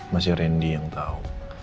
masih randy yang tau